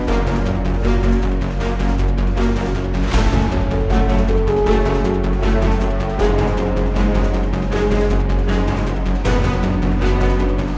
อุ้ย